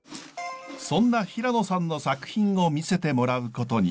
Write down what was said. そんな平野さんの作品を見せてもらうことに！